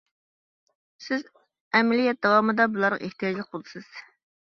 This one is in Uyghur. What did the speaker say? سىز ئەمەلىيەت داۋامىدا بۇلارغا ئېھتىياجلىق بولىسىز.